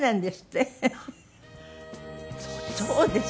そうです。